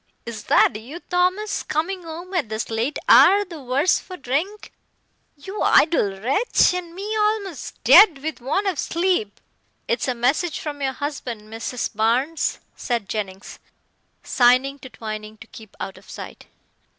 "Is that you, Thomas, coming home at this late hour the worse for drink, you idle wretch, and me almost dead with want of sleep." "It's a message from your husband, Mrs. Barnes," said Jennings, signing to Twining to keep out of sight.